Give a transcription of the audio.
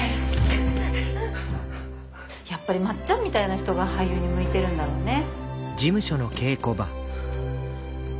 やっぱりまっちゃんみたいな人が俳優に向いてるんだろうね。